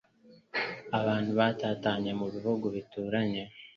Abantu batatanye mu bihugu bituranye